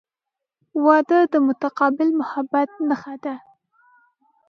• واده د متقابل محبت نښه ده.